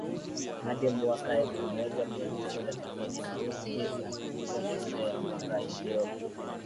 hadi mwaka elfu moja mia tisa themanini na tisa katika shule ya Mwanga iliyopo